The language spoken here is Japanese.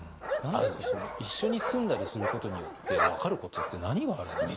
一緒に住んだりすることによって分かることって何があるんですか？